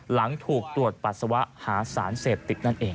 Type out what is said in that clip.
หลังถูกตรวจปัสสาวะหาสารเสพติดนั่นเอง